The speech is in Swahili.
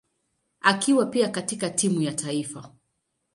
akiwa pia katika timu ya taifa.